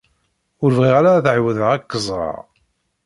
Ur bɣiɣ ara ad ɛawdeɣ ad k-ẓreɣ.